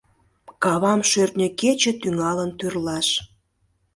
Кавам шӧртньӧ кече тӱҥалын тӱрлаш.